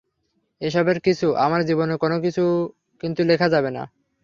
এসবের কিছু, আমার জীবনের কোনোকিছু কিন্তু লেখা যাবে না।